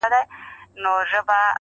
حاجي عبدالحق په جلال آباد کي هم.